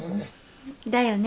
だよね。